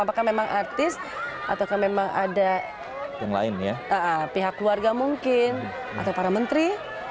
apakah memang artis atau memang ada pihak keluarga mungkin atau para menteri